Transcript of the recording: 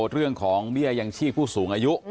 เรื่องของเบี้ยยังชีพผู้สูงอายุ